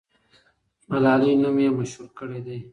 ملالۍ نوم یې مشهور کړی دی.